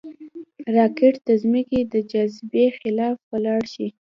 راکټ د ځمکې د جاذبې خلاف ولاړ شي